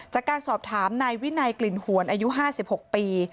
จากการสอบถามนายวินัยกลิ่นหวนอายุ๕๖ปี